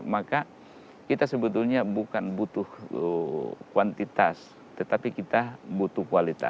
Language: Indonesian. maka kita sebetulnya bukan butuh kuantitas tetapi kita butuh kualitas